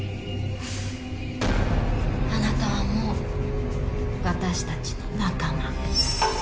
あなたはもう私たちの仲間。